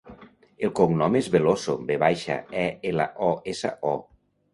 El cognom és Veloso: ve baixa, e, ela, o, essa, o.